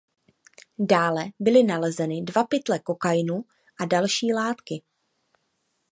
Dále byly nalezeny dva pytle kokainu a další látky.